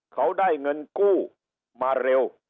เขาได้เงินกู้มาเร็ว